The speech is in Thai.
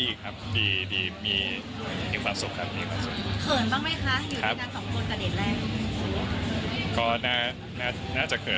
ไม่มั่นใจเหมือนกันว่านะว่าให้คะแนนเท่าไหร่